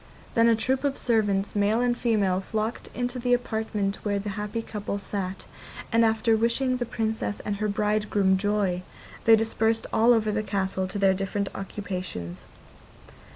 Then a troop of servants, male and female, flocked into the apartment where the happy couple sat, and after wishing the Princess and her bridegroom joy, they dispersed all over the castle to their different occupations.